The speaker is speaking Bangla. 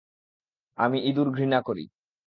আমি ইঁদুর ঘৃণা করি।